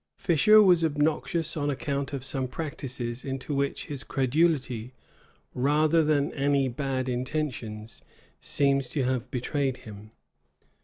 Fisher was obnoxious on account of some practices into which his credulity, rather than any bad intentions, seems to have betrayed him.